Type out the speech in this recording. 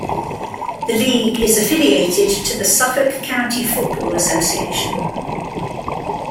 The league is affiliated to the Suffolk County Football Association.